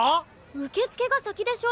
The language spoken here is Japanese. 受付が先でしょ！